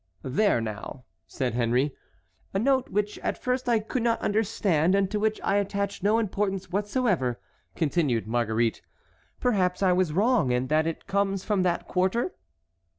"There now," said Henry. "A note which at first I could not understand, and to which I attached no importance whatsoever," continued Marguerite. "Perhaps I was wrong, and that it comes from that quarter."